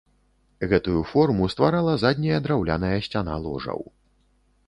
Гэтую форму стварала задняя драўляная сцяна ложаў.